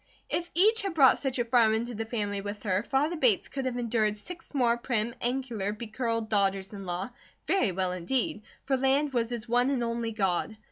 If each had brought such a farm into the family with her, father Bates could have endured six more prim, angular, becurled daughters in law, very well indeed, for land was his one and only God.